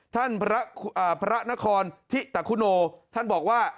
ท่านพระนครธิตะคุโนท่านบอกว่า